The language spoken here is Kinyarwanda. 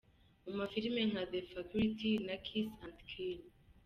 mu mafilime nka "The Faculty" na "Kiss and Kill".